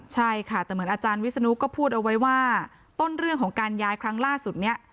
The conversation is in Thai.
ใช่ค่ะแต่เหมือนอาจารย์วิศนุก็พูดเอาไว้ว่าต้นเรื่องของการย้ายครั้งล่าสุดนี้